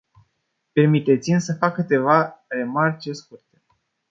Permiteți-mi să fac câteva remarce scurte.